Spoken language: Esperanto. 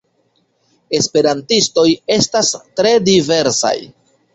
Esperantistoj estas tre diversaj.